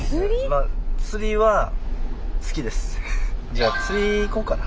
じゃあ釣り行こうかな。